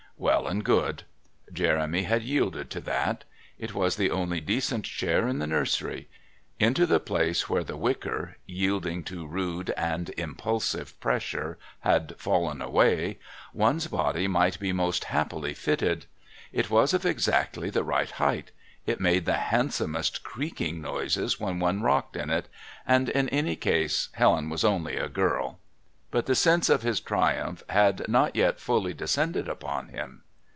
Well and good. Jeremy had yielded to that. It was the only decent chair in the nursery. Into the place where the wicker, yielding to rude and impulsive pressure, had fallen away, one's body might be most happily fitted. It was of exactly the right height; it made the handsomest creaking noises when one rocked in it and, in any case, Helen was only a girl. But the sense of his triumph had not yet fully descended upon him.